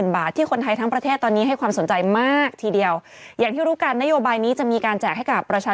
บาทที่คนไทยทั้งประเทศตอนนี้ให้ความสนใจมากทีเดียวอย่างที่รู้กันนโยบายนี้จะมีการแจกให้กับประชาชน